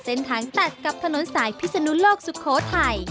เส้นทาง๘กับถนนสายพิษลุโลกสุโขทัย